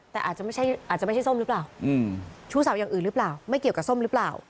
แต่อาจจะไม่ใช่อาจจะไม่ใช่ส้มหรือเปล่าชู้สาวอย่างอื่นหรือเปล่าไม่เกี่ยวกับส้มหรือเปล่า